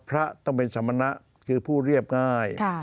พระต้องเป็นสมณะคือผู้เรียบง่าย